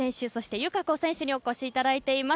友香子選手にお越しいただいています。